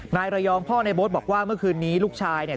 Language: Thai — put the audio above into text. นายระยองพ่อในโบ๊ทบอกว่าเมื่อคืนนี้ลูกชายเนี่ย